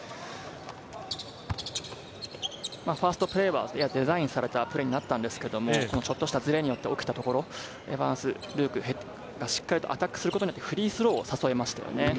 ファーストプレーはデザインされたプレーになったんですけども、ちょっとしたズレで起きたところ、エヴァンス・ルークがしっかりとアタックすることでフリースローを誘いましたね。